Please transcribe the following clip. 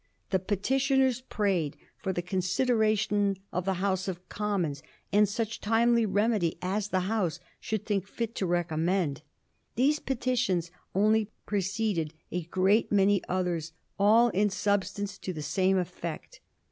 The petitioners prayed for the consideration of the House of Commons, and such timely remedy as the House should think fit to recommend. These petitions only preceded a great many others, all in substance to the same effect.